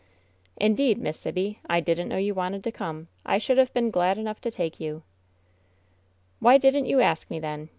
"Indeed, Miss Sibby, I didn't know you wanted to come. I should have been glad enough to take you." "Why didn't you ask me, then